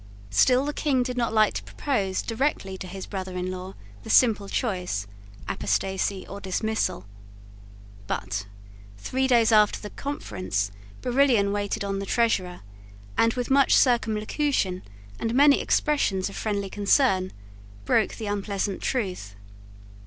Still the King did not like to propose directly to his brother in law the simple choice, apostasy or dismissal: but, three days after the conference, Barillon waited on the Treasurer, and, with much circumlocution and many expressions of friendly concern, broke the unpleasant truth.